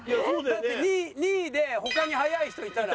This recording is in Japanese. だって２位で他に速い人いたら。